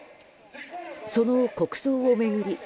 その国葬を巡り